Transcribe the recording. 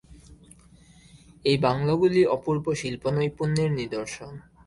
এই বাংলোগুলি অপূর্ব শিল্পনৈপুণ্যের নিদর্শন।